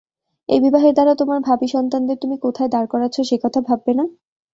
এই বিবাহের দ্বারা তোমার ভাবী সন্তানদের তুমি কোথায় দাঁড় করাচ্ছ সে কথা ভাববে না?